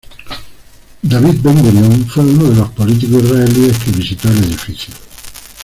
David Ben-Gurión fue uno de los políticos israelíes que visitó el edificio.